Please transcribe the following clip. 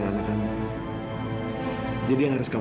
tante tuh lagi pusing